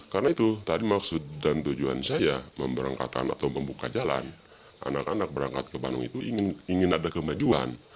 karena itu tadi maksud dan tujuan saya memberangkatkan atau membuka jalan anak anak berangkat ke bandung itu ingin ada kemajuan